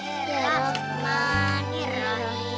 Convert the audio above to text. ya rahman ya rahim